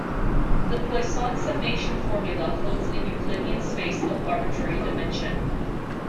The Poisson summation formula holds in Euclidean space of arbitrary dimension.